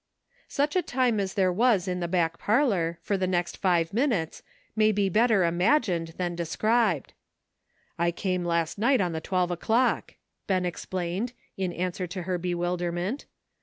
Such a time as there was in the back parlor for the next five minutes may be better imag ined than described. "I came last night on the twelve o'clock," Ben explained, in answer to her bewilderment.